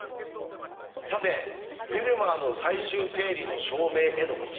さて「フェルマーの最終定理」の証明への道。